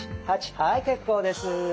はい結構です。